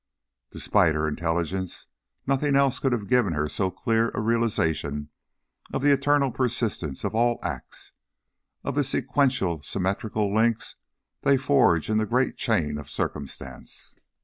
Despite her intelligence, nothing else could have given her so clear a realization of the eternal persistence of all acts, of the sequential symmetrical links they forge in the great chain of Circumstance.